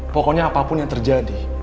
pokoknya apapun yang terjadi